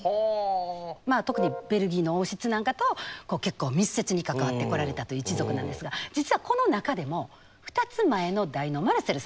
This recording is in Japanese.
特にベルギーの王室なんかと結構密接に関わってこられたという一族なんですが実はこの中でも２つ前の代のマルセルさん